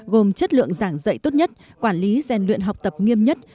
gồm chất lượng giảng dạy tốt nhất quản lý gian luyện học tập nghiêm nhất